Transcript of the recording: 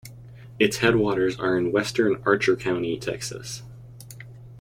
Its headwaters are in western Archer County, Texas.